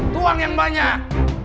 tuan yang banyak